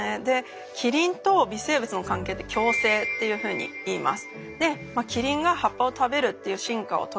キリンと微生物の関係って「共生」っていうふうにいいます。